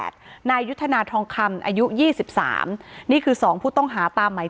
อ๋อเจ้าสีสุข่าวของสิ้นพอได้ด้วย